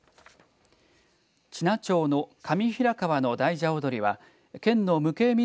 知名町の上平川の大蛇踊りは県の無形民俗